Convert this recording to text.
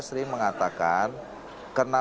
sering mengatakan karena